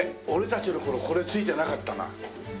俺たちの頃これ付いてなかったな。